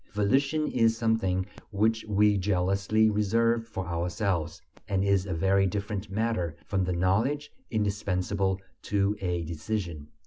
Volition is something which we jealously reserve for ourselves, and is a very different matter from the knowledge indispensable to a decision.